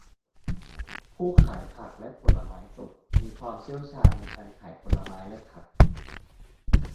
ผู้ขายผักและผลไม้สดมีความเชี่ยวชาญในการขายผลไม้และผัก